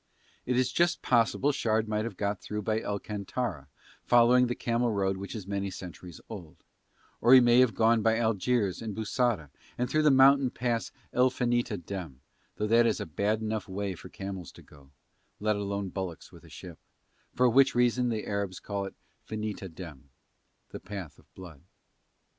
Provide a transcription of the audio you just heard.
It is just possible Shard might have got through by El Cantara, following the camel road which is many centuries old; or he may have gone by Algiers and Bou Saada and through the mountain pass El Finita Dem, though that is a bad enough way for camels to go (let alone bullocks with a ship) for which reason the Arabs call it Finita Dem the Path of Blood.